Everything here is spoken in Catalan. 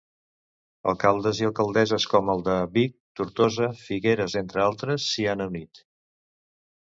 Alcaldes i alcaldesses com el de Vic, Tortosa, Figueres, entre altres, s'hi han unit.